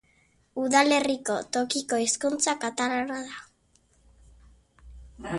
Udalerriko tokiko hizkuntza katalana da.